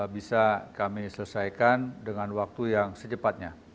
bisa kami selesaikan dengan waktu yang secepatnya